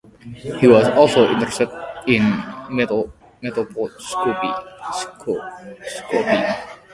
He was also interested in metoposcopy.